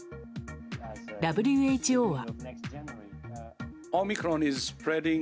ＷＨＯは。